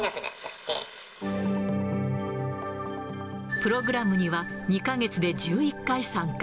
プログラムには、２か月で１１回参加。